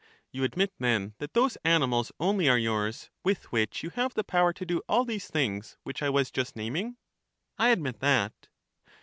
You admit then, that those animals only are yours with which you have the power to do all these things which I was just naming. I admit that.